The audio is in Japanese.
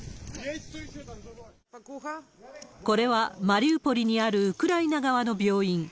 これはマリウポリにあるウクライナ側の病院。